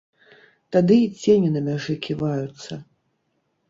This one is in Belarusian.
Тады і цені на мяжы ківаюцца.